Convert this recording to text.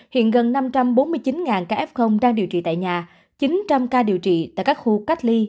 hiện gần năm trăm bốn mươi chín ca f đang điều trị tại nhà chín trăm linh ca điều trị tại các khu cách ly